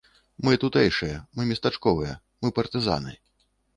Мы тутэйшыя, мы местачковыя, мы партызаны.